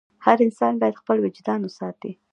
هر انسان باید خپل وجدان وساتي.